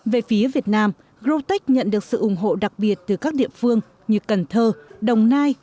về phía việt nam grotech nhận được sự ủng hộ đặc biệt từ các địa phương như cần thơ đồng nai